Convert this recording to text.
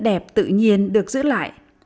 đẹp tự nhiên được giữ lại